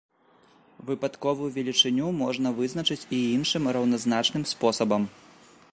Выпадковую велічыню можна вызначыць і іншым раўназначным спосабам.